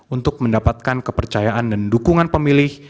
untuk mendapatkan kepercayaan dan dukungan pemilih